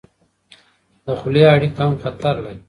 د خولې اړیکه هم خطر لري.